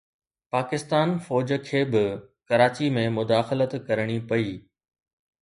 پاڪستان فوج کي به ڪراچي ۾ مداخلت ڪرڻي پئي